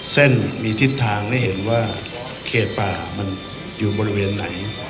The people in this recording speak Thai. เส้นมีทิศทางให้เห็นว่าเขตป่ามันอยู่บริเวณไหน